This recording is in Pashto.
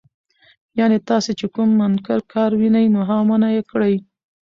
يعني تاسو چې کوم منکر کار ووينئ، نو منعه يې کړئ.